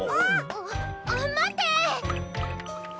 あっまって！